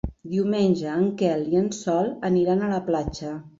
Diumenge en Quel i en Sol aniran a la platja.